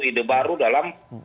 ide baru dalam